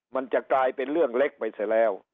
มันจะกลายเป็นเรื่องเล็กไปเสร็จแล้ว